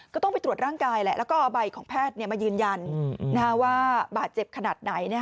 ก็ต้องไปตรวจร่างกายแหละแล้วก็เอาใบของแพทย์มายืนยันว่าบาดเจ็บขนาดไหน